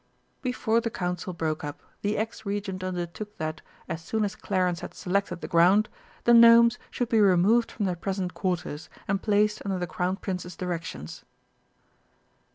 Before the Council broke up, the ex Regent undertook that, as soon as Clarence had selected the ground, the Gnomes should be removed from their present quarters, and placed under the Crown Prince's directions.